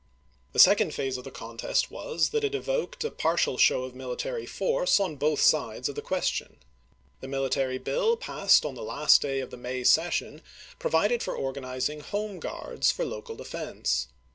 The second phase of the contest was, that it evoked a partial show of military force on both sides of the question. The military bill passed on the last day of the May session provided for organizing "Home Guards" for local defense.